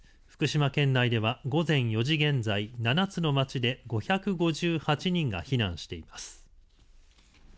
福島県内では午前４時現在７つの町で５５８人が避難しています。